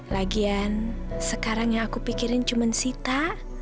lagian sekarang yang aku pikirin cuma sita